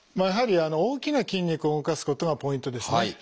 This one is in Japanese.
やはり大きな筋肉を動かすことがポイントですね。